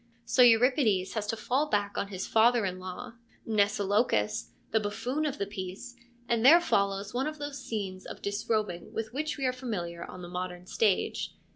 So Euripides has to fall back on his father in law, Mnesilochus, the buffoon of the piece, and there follows one of those scenes of disrobing with which we are familiar on the modern stage.